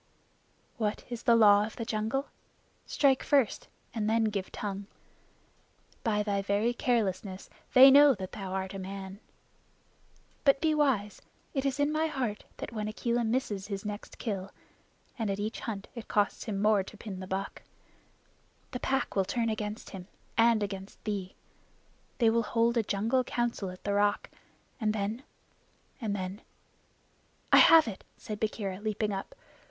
"What is the Law of the Jungle? Strike first and then give tongue. By thy very carelessness they know that thou art a man. But be wise. It is in my heart that when Akela misses his next kill and at each hunt it costs him more to pin the buck the Pack will turn against him and against thee. They will hold a jungle Council at the Rock, and then and then I have it!" said Bagheera, leaping up.